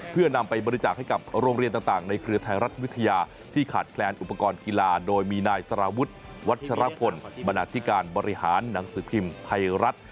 เพื่อนำไปบริจาคให้กับโรงเรียนต่างในเครือไทยรัฐวิทยาที่ขาดแคลนอุปกรณ์กีฬาโดยมีนายสารวุฒิวัชรพลบรรณาธิการบริหารหนังสือพิมพ์ไทยรัฐ